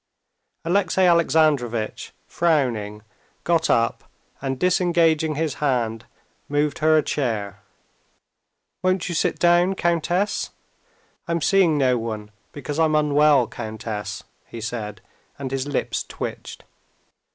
Alexey Alexandrovitch, frowning, got up, and disengaging his hand, moved her a chair. "Won't you sit down, countess? I'm seeing no one because I'm unwell, countess," he said, and his lips twitched.